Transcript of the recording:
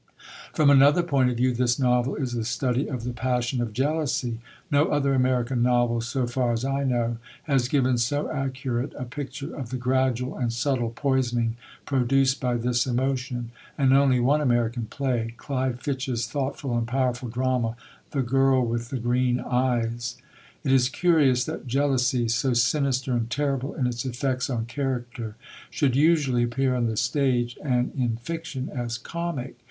From another point of view this novel is a study of the passion of jealousy. No other American novel, so far as I know, has given so accurate a picture of the gradual and subtle poisoning produced by this emotion, and only one American play, Clyde Fitch's thoughtful and powerful drama, The Girl with the Green Eyes. It is curious that jealousy, so sinister and terrible in its effects on character, should usually appear on the stage and in fiction as comic.